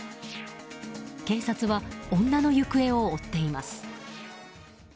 警察は女の行方を追っています。